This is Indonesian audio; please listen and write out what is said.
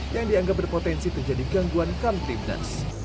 yang dianggap berpotensi terjadi gangguan kamtipnas